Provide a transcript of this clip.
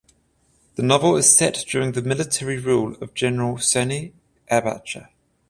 The novel is set during the military rule of General Sani Abacha.